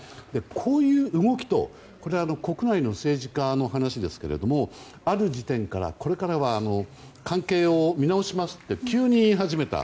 こういう動きと国内の政治家の話ですけどある時点から、これからは関係を見直しますと急に言い始めた。